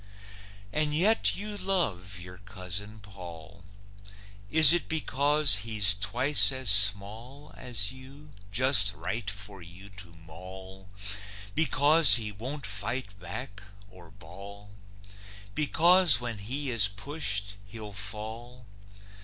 And yet you love your Cousin Paull. Is it because he's twice as small As you, just right for you to maul? Because he won't fight back, or bawl? Because when he is pushed he'll fall?